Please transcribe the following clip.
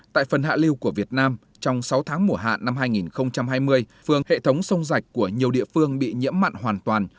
tại phần hạ lưu của việt nam trong sáu tháng mùa hạn năm hai nghìn hai mươi phương hệ thống sông rạch của nhiều địa phương bị nhiễm mặn hoàn toàn